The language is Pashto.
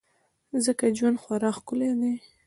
ځکه ژوند خورا ښکلی دی.